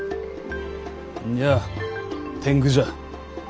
んにゃ天狗じゃ。